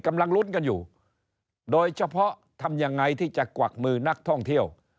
กำลังลุ้นกันอยู่โดยเฉพาะทำยังไงที่จะกวักมือนักท่องเที่ยว